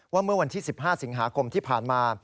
เมื่อวันที่๑๕สิงหาคมที่ผ่านมา